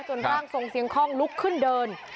ร่างทรงเสียงคล่องลุกขึ้นเดิน